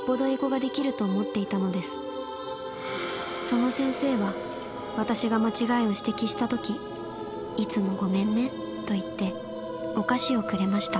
その先生は私が間違いを指摘した時いつもごめんねと言ってお菓子をくれました。